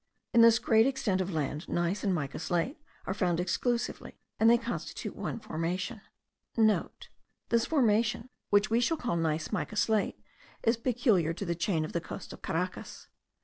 In this great extent of land, gneiss and mica slate are found exclusively, and they constitute one formation.* (* This formation, which we shall call gneiss mica slate, is peculiar to the chain of the coast of Caracas.